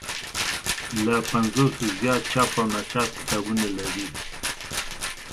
له پنځوسو زیات چاپ او ناچاپ کتابونه لري.